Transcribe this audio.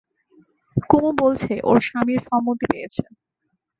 কুমু বলছে ওর স্বামীর সম্মতি পেয়েছে।